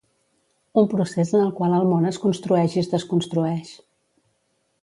Un procés en el qual el món es construeix i es desconstrueix.